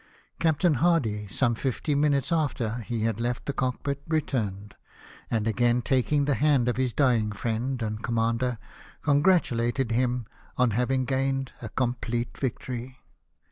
Captain Hardy, some fifty minutes after he had left the cockpit, returned ; and again taking the hand of his dying friend and commander, con gratulated him on having gained a complete victory.